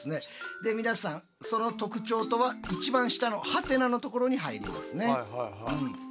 で皆さんその特徴とは一番下の「？」のところに入りますね。